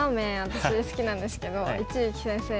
私好きなんですけど一力先生